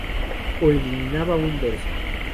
O eliminaba un verso.